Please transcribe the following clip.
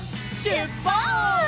しゅっぱつ！